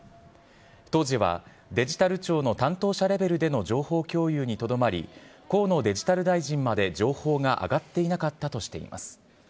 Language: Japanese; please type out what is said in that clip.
当時はデジタル庁の担当者レベルでの情報共有にとどまり、河野デジタル大臣まで情報が上がっていなかったとしています。